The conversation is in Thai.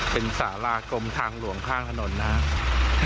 เป็นสารากลมทางหลวงข้างถนนนะครับ